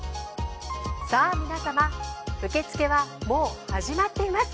さあ皆様受付はもう始まっています。